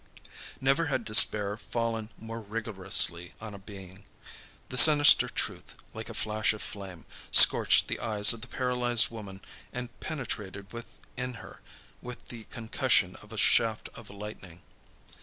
Never had despair fallen more rigorously on a being. The sinister truth, like a flash of flame, scorched the eyes of the paralysed woman and penetrated within her with the concussion of a shaft of lightning.